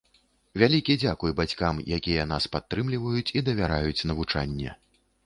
Вялікі дзякуй бацькам, якія нас падтрымліваюць і давяраюць навучанне.